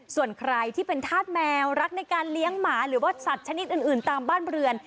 ส่วนใครที่เป็นธาตุแมวรักในการเลี้ยงหมาหรือว่าสัตว์ชนิดอื่นตามบ้านเรือน